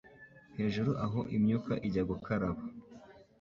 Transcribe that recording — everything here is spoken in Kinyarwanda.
hejuru aho imyuka ijya gukaraba